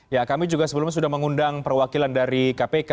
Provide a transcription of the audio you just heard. ya kami juga sebelumnya sudah mengundang perwakilan dari kpk